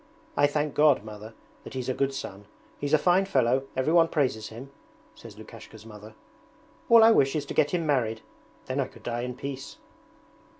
'I thank God, Mother, that he's a good son! He's a fine fellow, everyone praises him,' says Lukashka's mother. 'All I wish is to get him married; then I could die in peace.'